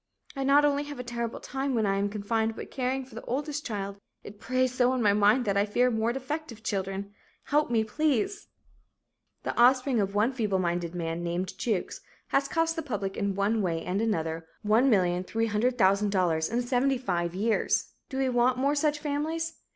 "I not only have a terrible time when I am confined but caring for the oldest child it preys so on my mind that I fear more defective children. Help me please!" The offspring of one feebleminded man named Jukes has cost the public in one way and another $1,300,000 in seventy five years. Do we want more such families?